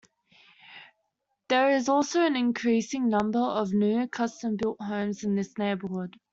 There is also an increasing number of new custom built homes in this neighbourhood.